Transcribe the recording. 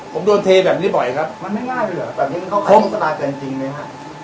ผมโดนเทแบบนี้บ่อยครับมันไม่ง่ายเหรอแบบนี้มันเข้าไปที่สตาร์ทจริงจริงเลยครับ